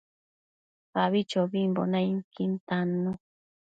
Abichobimbo nainquin tannu